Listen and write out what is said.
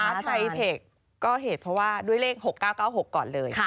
ไซเทคก็เหตุเพราะว่าด้วยเลข๖๙๙๖ก่อนเลย